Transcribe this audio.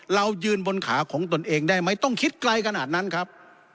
เรายืนบนขาของตนเองได้ไหมต้องคิดไกลขนาดนั้นครับ